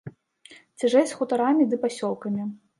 Цяжэй з хутарамі ды пасёлкамі.